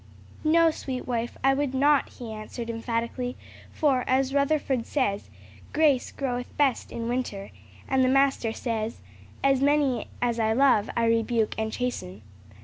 "No, sweet wife, I would not," he answered emphatically; "for, as Rutherford says, 'grace groweth best in winter;' and the Master says, 'As many as I love, I rebuke and chasten.'"